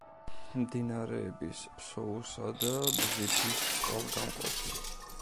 მდინარეების ფსოუსა და ბზიფის წყალგამყოფი.